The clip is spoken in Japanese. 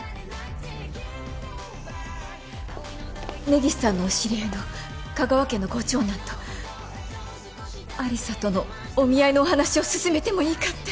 根岸さんのお知り合いの香川家のご長男と有沙とのお見合いの話を進めてもいいかって。